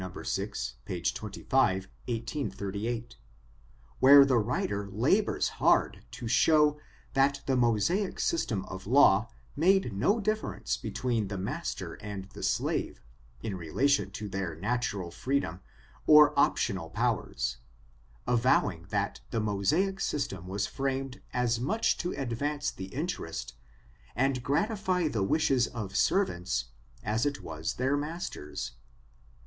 6, p. 26, 1838, where the writer labors hard to show that the Mosaic system of law made no difference between the master and the slave, in relation to their natural freedom, or optional powers, avowing that the Mosaic system was framed as much to advance the interest, and gratify the wishes of servants, as it was their masters.